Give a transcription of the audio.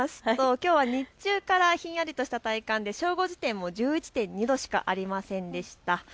きょうは日中からひんやりとした体感で正午時点でも１１．２度しかありませんでした。